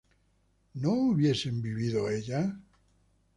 ¿no hubiesen vivido ellas?